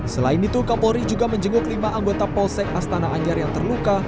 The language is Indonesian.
selain itu kapolri juga menjenguk lima anggota polsek astana anyar yang terluka